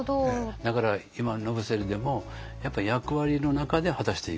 だから今野伏でもやっぱり役割の中で果たしていく。